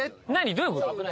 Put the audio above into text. どういうこと？